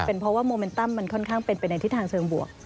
เป็นเพราะว่าโมเมนตัมมันค่อนข้างเป็นไปในทิศทางเชิงบวก